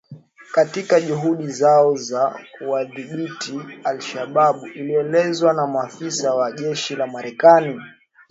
katika juhudi zao za kuwadhibiti al-Shabaab ilielezewa na maafisa wa jeshi la Marekani